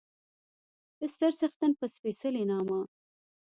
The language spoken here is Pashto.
د ستر څښتن په سپېڅلي نامه